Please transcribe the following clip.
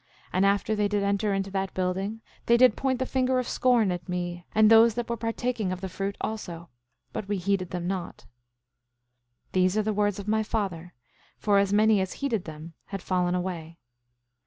And after they did enter into that building they did point the finger of scorn at me and those that were partaking of the fruit also; but we heeded them not. 8:34 These are the words of my father: For as many as heeded them, had fallen away.